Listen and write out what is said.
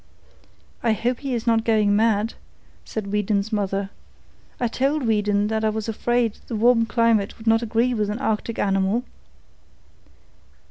"I hope he is not going mad," said Weedon's mother. "I told Weedon that I was afraid the warm climate would not agree with an Arctic animal."